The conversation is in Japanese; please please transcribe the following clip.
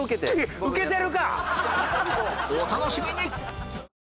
お楽しみに！